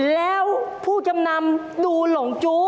แล้วผู้จำนำดูหลงจู้